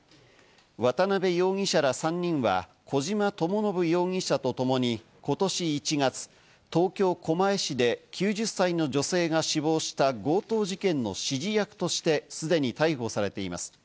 渡辺容疑者ら３人は小島智信容疑者とともに、ことし１月、東京・狛江市で９０歳の女性が死亡した強盗事件の指示役として既に逮捕されています。